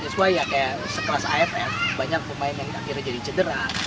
that's why ya kayak sekelas afm banyak pemain yang akhirnya jadi cedera